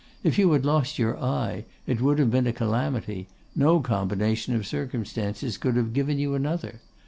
If you had lost your eye it would have been a calamity: no combination of circumstances could have given you another.